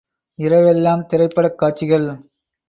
இரவெல்லாம் திரைப்படக் காட்சிகள்!